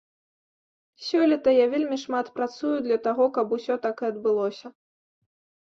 Сёлета я вельмі шмат працую для таго, каб усё так і адбылося.